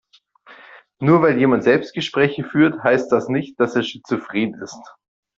Nur weil jemand Selbstgespräche führt, heißt das nicht, dass er schizophren ist.